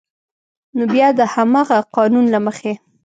نو بیا د همغه قانون له مخې